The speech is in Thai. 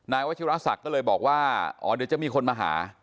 วัชิราศักดิ์ก็เลยบอกว่าอ๋อเดี๋ยวจะมีคนมาหา